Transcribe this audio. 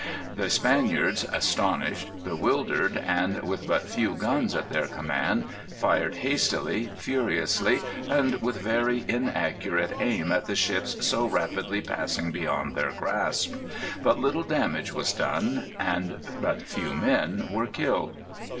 The Spaniards, astonished, bewildered, and with but few guns at their command, fired hastily, furiously, and with very inaccurate aim at the ships so rapidly passing beyond their grasp. But little damage was done, and but few men were killed.